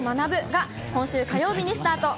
が今週火曜日にスタート。